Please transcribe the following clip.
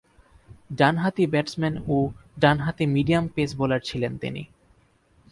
ডানহাতি ব্যাটসম্যান ও ডানহাতি মিডিয়াম পেস বোলার ছিলেন তিনি।